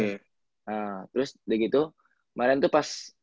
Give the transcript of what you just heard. kemarin tuh pas pertama kali gue pindah ke gm kan gue pindah ke casper kan